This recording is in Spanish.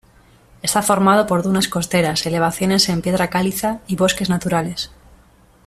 Está formado por dunas costeras, elevaciones en piedra caliza y bosques naturales.